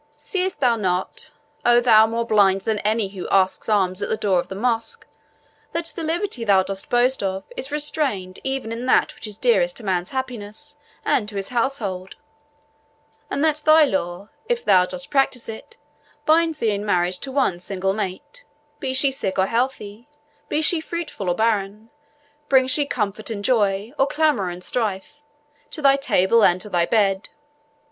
Seest thou not, O thou more blind than any who asks alms at the door of the Mosque, that the liberty thou dost boast of is restrained even in that which is dearest to man's happiness and to his household; and that thy law, if thou dost practise it, binds thee in marriage to one single mate, be she sick or healthy, be she fruitful or barren, bring she comfort and joy, or clamour and strife, to thy table and to thy bed?